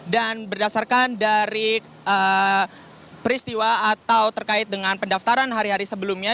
dan berdasarkan dari peristiwa atau terkait dengan pendaftaran hari hari sebelumnya